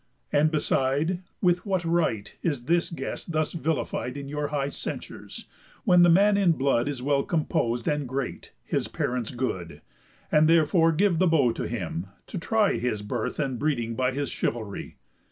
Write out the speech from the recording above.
And beside, With what right is this guest thus vilified In your high censures, when the man in blood Is well compos'd and great, his parents good? And therefore give the bow to him, to try His birth and breeding by his chivalry.